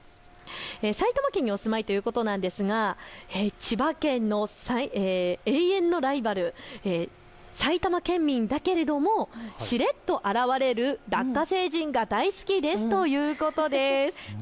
埼玉県にお住まいということなんですが千葉県の永遠のライバル、埼玉県民だけれどもしれっと現れるラッカ星人が大好きですということです。